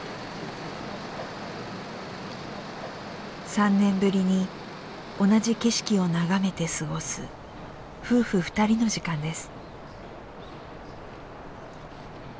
３年ぶりに同じ景色を眺めて過ごす夫婦２人の時間です。